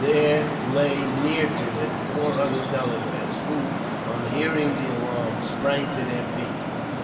There lay near to it four other Delawares, who, on hearing the alarm, sprang to their feet.